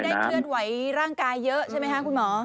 คือไม่ได้เคลื่อนไหวร่างกายเยอะใช่ไหมครับคุณหมอ